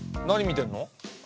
何見てるの？